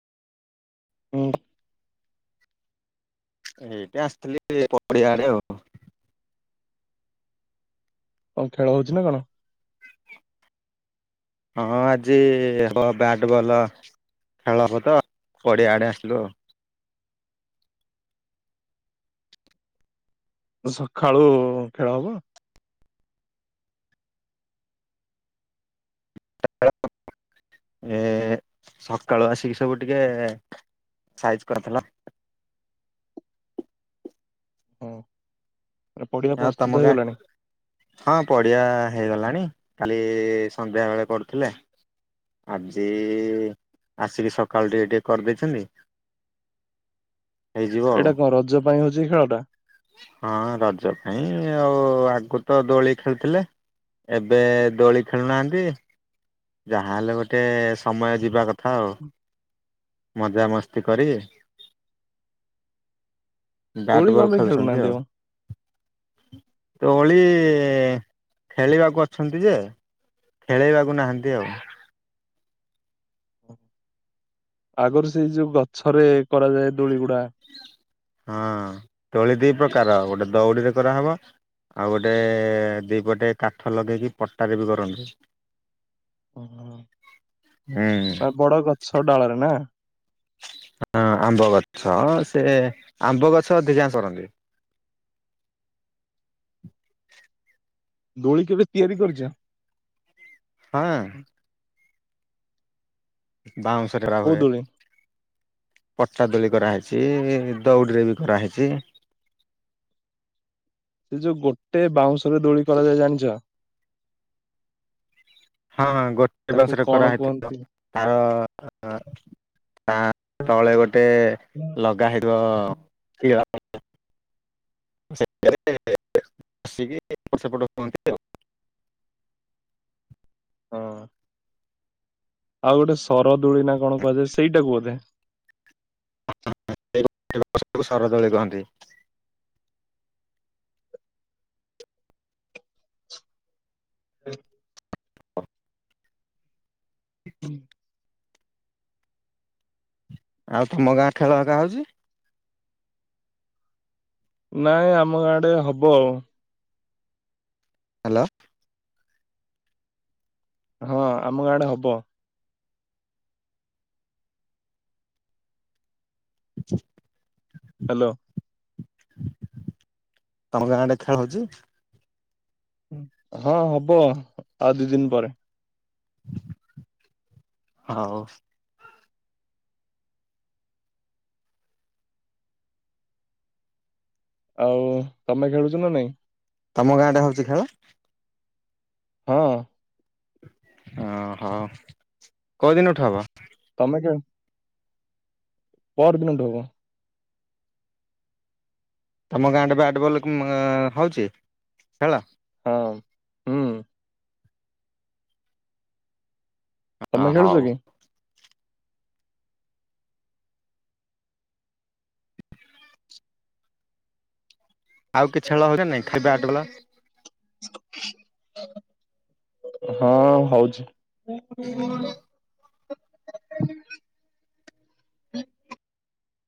ହୁଁ ଏଇଠି ଆସିଥିଲି ପଡିଆ ଆଡେ ଆଉ କଣ ଖେଳ ହଉଚି ନା କଣ? ହଁ ଆଜି ହେବ ବ୍ୟାଟ୍ ବଲ୍ ଖେଳ ହବ ତ ପଡ଼ିଆଆଡ଼େ ଆସିଲୁ ଆଉ [unintelligible] ସକାଳୁ ଖେଳ ହବ ଏ ସକାଳୁ ଆସିକି ସବୁ ଟିକେ ସାଇଜ୍ କରଥିଲା ହଁ ପଡିଆ ଆଉ ପ୍ରସ୍ତୁତ ତମ ଗାଁ ହେଇଗଲାଣି। ହଁ ପଡିଆ ହେଇଗଲାଣି କାଲି ସନ୍ଧ୍ୟା ବେଳେ କରୁଥିଲେ ଆଜି ଆସିକି ସକାଳ ଟିକେ ଟିକେ କରିଦେଇଛନ୍ତି। ହେଇଯିବ ଆଉ ଏଇଟା କଣ ରଜ ପାଇଁ ହଉଛିକି ଖେଳଟା? ହଁ ରଜ ପାଇଁ ଆଉ ଆଗରୁ ତ ଦୋଳି ଖେଳୁଥିଲେ ଏବେ ଦୋଳି ଖେଳୁନାହାନ୍ତି। ଯାହାହେଲେ ଗୋଟେ ସମୟ ଯିବା କଥା ଆଉ [inaudible] ମଜାମସ୍ତି କରି ଦୋଳି କଣ ବ୍ୟାଟବଲ୍ ପାଇଁ ଖେଳୁଛନ୍ତି ଖେଳୁନାହାନ୍ତି ଆଉ ଦୋଳି ଖେଳିବାକୁ ଅଛନ୍ତି ଯେ ଖେଳେଇବାକୁ ନାହାନ୍ତି ଆଉ ଆଗରୁ ସେଇ ଯୋଉ ଗଛରେ କରାଯାଏ ଦୋଳି ଗୁଡା ହଁ ଦୋଳି ଦି ପ୍ରକାର ଗୋଟେ ଦଉଡିରେ କରାହେବ ଆଉ ଗୋଟେ ଦିପଟେ କାଠ ଲଗେଇକି ପଟାରେ ବି କରନ୍ତି। ଓହୋ ହୁଁ ଆ ବଡ ଗଛ ଡାଳରେ ନା ହଁ ଆମ୍ବ ଗଛ ସେ ଆମ୍ବ ଗଛ ଅଧିକାଂଶ କରନ୍ତି। ଦୋଳି କେବେ ତିଆରି କରିଛ? ହ ଆ ବାଉଁଶରେ ବା କୋଉ ହୁଏ। ଦୋଳି ପଟା ଦୋଳି କରାହୋଇଛି ଦଉଡ଼ିରେ ବି କରାହଇଛି ଏଇ ଯୋଉ ଗୋଟେ ବାଉଁଶରେ ଦୋଳି କରାଯାଏ ଜାଣିଛ? ହଁ ଗୋଟେ ତାକୁ ବାଉଁଶରେ କଣ କରାହେଇଥିଲା କୁହନ୍ତି? ତାର [unintelligible] ତା ତଳେ ଗୋଟେ ହୁଁ। ଲଗା ହେଇଥିବ କି ସେଇଟାରେ ବସିକି ଏପଟ ସେପଟ ହୁଅନ୍ତି ଆଉ। ହଁ। ଆଉ ଗୋଟେ ସରଦୁଳି ନା କଣ କୁହାଯାଏ ସେଇଟାକୁ ବୋଧେ। ଲୋକ ସେପଟୁ ଶରଦୋଳି କହନ୍ତି। [unintelligible] [unintelligible] ଆଉ ତମ ଗାଁ ଖେଳ ଆକା ହଉଛି। ନାଇଁ ଆମ ଗାଁ ଆଡେ ହବ। ହାଲୋ। ହଁ ଆମ ଗାଁ ଆଡେ ହବ। [unintelligible] ହାଲୋ। ତମ ଗାଁ ଆଡେ ଖେଳ ହଉଛି। ହଁ ହବ ଆଉ ଦି ଦିନ ପରେ। ହଉ। ଆଉ ତମେ ଖେଳୁଛ ନା ନାଇଁ। ତମ ଗାଁ ଆଡେ ହଉଛି ଖେଳ। ହଁ। ଅଁ ହଁ କୋଉ ଦିନଠୁ ହବ। ତମେ କେ ପଅର ଦିନଠୁ ହବ। ତମ ଗାଁ ଟେ ବ୍ୟାଟ ବଲ୍ ମ ହଉଛି ଖେଳ। ହଁ। ହୁଁ ହଁ ତମେ ଖେଳୁଛ ହଉ। କି? ଆଉ କିଛି ଖେଳ ହଉଛି ନା ନାଇଁ ଖାଲି ବ୍ୟାଟ ବଲ। ହଁ ହଉଛି।